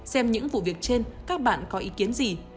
xem những vụ việc trên các bạn có ý kiến gì